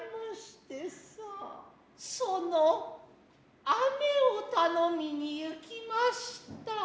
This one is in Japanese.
其の雨を頼みに行きました。